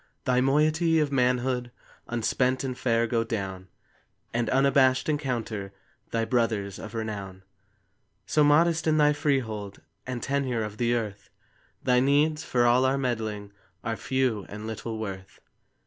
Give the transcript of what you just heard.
Thy moiety of manhood Unspent and fair, go down, And, unabashed, encounter Thy brothers of renown. So modest in thy freehold And tenure of the earth, Thy needs, for all our meddling, Are few and little worth.